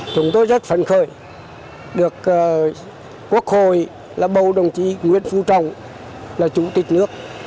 chúng tôi rất phân khởi được quốc hội bầu đồng chí nguyễn phú trọng là chủ tịch nước